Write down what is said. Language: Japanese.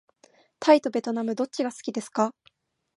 タイとべトナムどっちが好きですか。